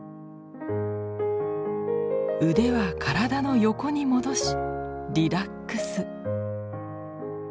腕は体の横に戻しリラックス。